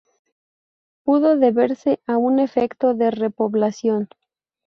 Pudo deberse a un efecto de repoblación.